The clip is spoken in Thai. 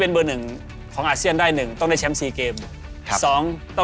เป้าหมายการทำทีมฟุตบอลของโค้ดซิกโก้